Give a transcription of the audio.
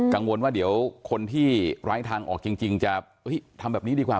กังวลว่าเดี๋ยวคนที่ไร้ทางออกจริงจะทำแบบนี้ดีกว่า